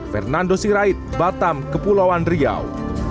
fernando sirait batam kepulauan riau